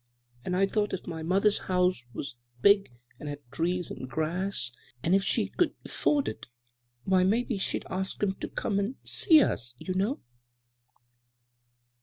And I thought tf my mother's house was big and had trees and grass and if she could 'ford it, why maybe she'd ask 'em to — to come and see us, you know."